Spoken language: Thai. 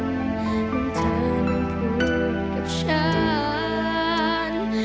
มันเธอนักภูมิกับฉัน